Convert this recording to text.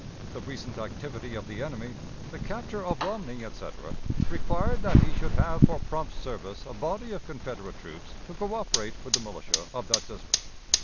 The recent activity of the enemy, the capture of Romney, etc., required that he should have for prompt service a body of Confederate troops to coöperate with the militia of that district.